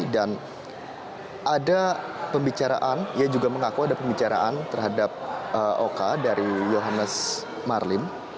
dan ada pembicaraan ia juga mengaku ada pembicaraan terhadap oka dari johannes marlim